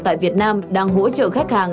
tại việt nam đang hỗ trợ khách hàng